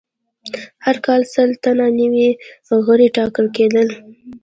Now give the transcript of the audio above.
هر کال سل تنه نوي غړي ټاکل کېدل.